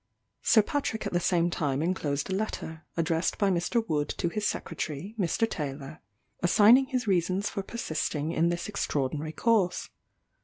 Sir Patrick at the same time inclosed a letter, addressed by Mr. Wood to his Secretary, Mr. Taylor, assigning his reasons for persisting in this extraordinary course.